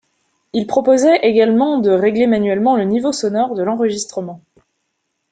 Il proposait également de régler manuellement le niveau sonore de l'enregistrement.